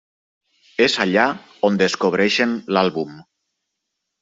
És allà on descobreixen l'àlbum.